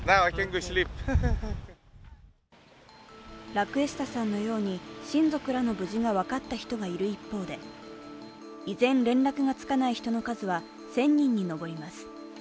ラクエスタさんのように親族らの無事が分かった人がいる一方で、依然、連絡がつかない人の数は１０００人に上ります。